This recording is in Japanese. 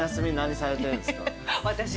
私？